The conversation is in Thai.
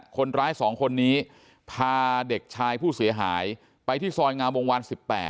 คนร้าย๒คนนี้พาเด็กชายผู้เสียหายไปที่ซอยงามวงวาน๑๘